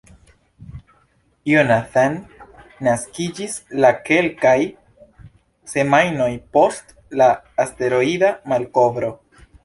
Jonathan naskiĝis la kelkaj semajnoj post la asteroida malkovro.